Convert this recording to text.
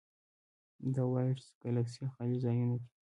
د وایډز ګلکسي خالي ځایونه دي.